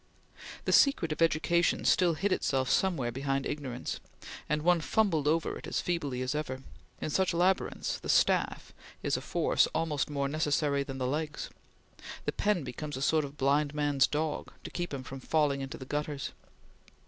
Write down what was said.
The secret of education still hid itself somewhere behind ignorance, and one fumbled over it as feebly as ever. In such labyrinths, the staff is a force almost more necessary than the legs; the pen becomes a sort of blind man's dog, to keep him from falling into the gutters.